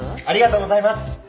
ありがとうございます。